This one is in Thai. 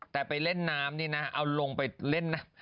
แต่ไปเล่นน้ำนี่นะเอาลงไปเล่นนะ